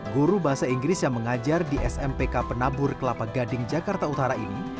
guru bahasa inggris yang mengajar di smpk penabur kelapa gading jakarta utara ini